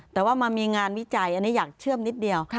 แต่ว่ามามีงานวิจัยอันนี้อยากเชื่อมนิดเดียว